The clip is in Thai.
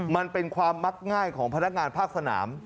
มันเป็นความมักง่ายของพนักงานภาคสนาม